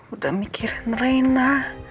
udah mikirin reina